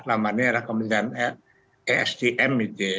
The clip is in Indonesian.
namanya era kementerian esdm gitu ya